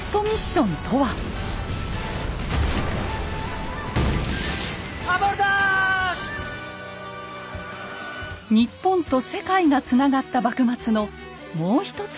日本と世界がつながった幕末のもう一つの物語。